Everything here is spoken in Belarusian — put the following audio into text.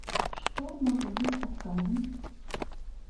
Што можа быць адказам?